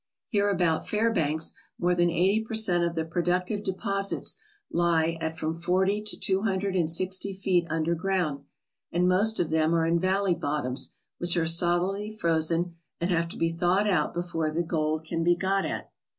Here about Fairbanks more than eighty per cent, of the productive de posits lie at from forty to two hundred and sixty feet under ground, and most of them are in valley bottoms which are solidly frozen and have to be thawed out before the gold can be got at.